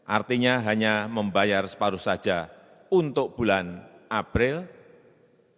artinya hanya membayar separuh saja untuk bulan april mei dan bulan juni dua ribu dua puluh